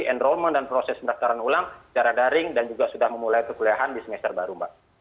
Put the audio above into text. entrolment dan proses mendaftaran ulang secara daring dan juga sudah memulai perkuliahan di semester baru mbak